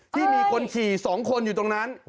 ที่มีคนขี่๒คนอยู่ตรงนั้น